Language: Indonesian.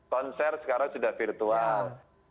konser sekarang sudah virtual